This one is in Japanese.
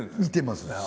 見てます。